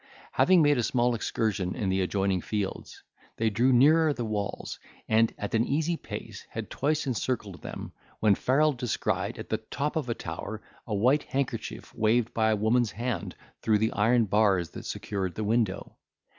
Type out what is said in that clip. Having made a small excursion in the adjoining fields, they drew nearer the walls, and at an easy pace had twice circled them, when Farrel descried, at the top of a tower, a white handkerchief waved by a woman's hand through the iron bars that secured the window.